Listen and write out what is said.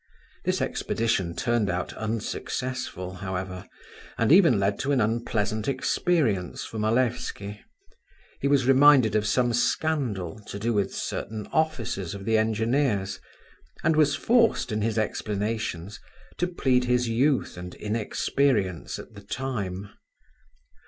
This expedition turned out unsuccessful, however, and even led to an unpleasant experience for Malevsky; he was reminded of some scandal to do with certain officers of the engineers, and was forced in his explanations to plead his youth and inexperience at the time.